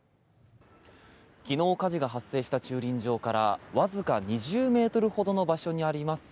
昨日火事が発生した駐輪場からわずか２０ｍほどの場所にあります